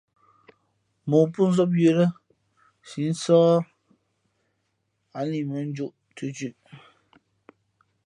Mōō pó nzáp yə̌ lά nsī nsάh a lα imᾱnjūʼ thʉ̄thʉ̄ʼ.